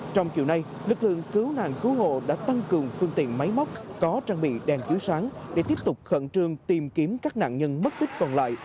trong chiều nay lực lượng cứu nạn cứu hộ đã tăng cường phương tiện máy móc có trang bị đèn chiếu sáng để tiếp tục khẩn trương tìm kiếm các nạn nhân mất tích còn lại